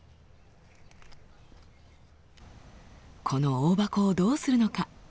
このオオバコをどうするのか。